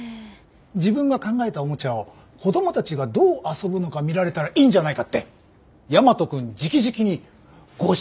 自分が考えたおもちゃを子どもたちがどう遊ぶのか見られたらいいんじゃないかって大和くんじきじきにご指名があったみたいでね。